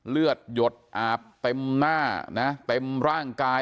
หยดอาบเต็มหน้านะเต็มร่างกาย